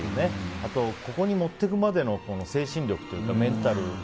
あと、ここに持っていくまでの精神力というかメンタル。